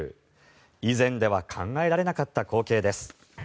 以前では考えられなかった光景です。